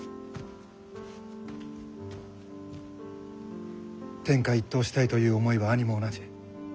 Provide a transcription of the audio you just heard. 天下一統したいという思いは兄も同じ。